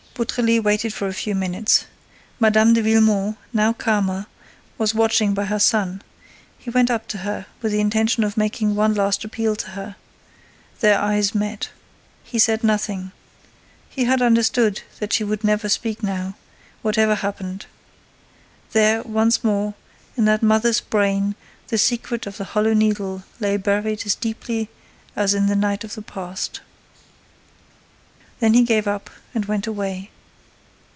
Beautrelet waited for a few minutes. Mme. de Villemon, now calmer, was watching by her son. He went up to her, with the intention of making one last appeal to her. Their eyes met. He said nothing. He had understood that she would never speak now, whatever happened. There, once more, in that mother's brain, the secret of the Hollow Needle lay buried as deeply as in the night of the past. Then he gave up and went away.